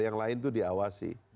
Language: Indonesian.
yang lain itu diawasi